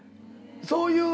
そういう。